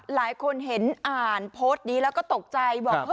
หลายคนเห็นอ่านโพสต์นี้แล้วก็ตกใจบอก